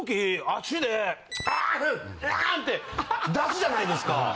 あって出すじゃないですか。